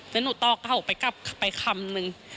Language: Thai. แล้วหนูต่อเขาไปกลับไปคำนึง